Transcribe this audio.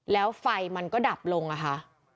แล้วไฟมันก็ดับลงอะค่ะ